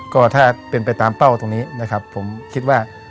ก็ถ้าเป็นไปตามเป้าตรงนี้นะครับผมคิดว่า